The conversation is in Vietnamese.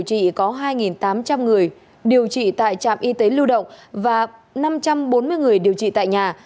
trị có hai tám trăm linh người điều trị tại trạm y tế lưu động và năm trăm bốn mươi người điều trị tại nhà